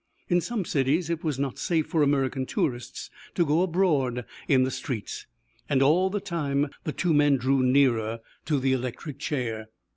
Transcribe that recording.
In some cities it was not safe for American tourists to go abroad in the streets. And all the time the two men drew nearer to the electric chair.